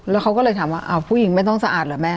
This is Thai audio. แล้วเขาก็เลยถามว่าผู้หญิงไม่ต้องสะอาดเหรอแม่